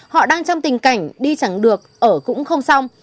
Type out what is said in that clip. họ đang trong tình cảnh đi chẳng được ở cũng không xong